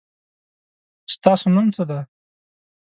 ستاسو نوم څه دی ؟